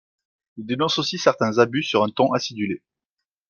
Il dénonce aussi certains abus sur un ton acidulé.